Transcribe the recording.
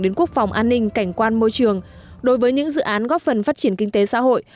đến quốc phòng an ninh cảnh quan môi trường đối với những dự án góp phần phát triển kinh tế xã hội